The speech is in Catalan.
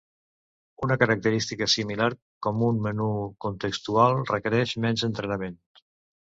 Una característica similar com un menú contextual requereix menys entrenament.